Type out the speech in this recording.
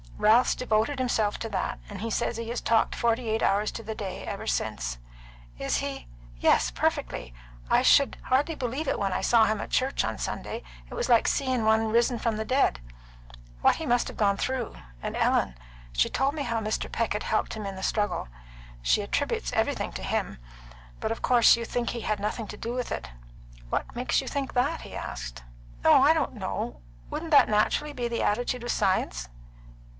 Ralph's devoted himself to that, and he says he has talked forty eight hours to the day ever since." Is he " "Yes; perfectly! I could hardly believe it when I saw him at church on Sunday. It was like seeing one risen from the dead. What he must have gone through, and Ellen! She told me how Mr. Peck had helped him in the struggle. She attributes everything to him. But of course you think he had nothing to do with it." "What makes you think that?" he asked. "Oh, I don't know. Wouldn't that naturally be the attitude of Science?"